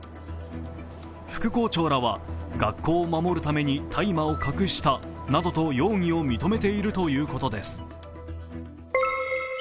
副校長らは学校を守るために大麻を隠したなどと容疑を認めているということです。